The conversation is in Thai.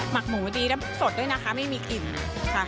ักหมูดีแล้วสดด้วยนะคะไม่มีกลิ่นค่ะ